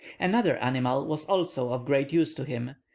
Another animal was also of great use to him.